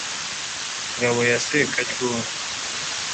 ingabo ya sekaryongo !